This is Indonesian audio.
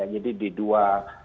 jadi di dua